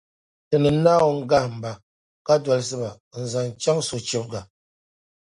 Tinim’ Naawuni gahim ba, ka dolsi ba n-zaŋ chaŋ sochibga.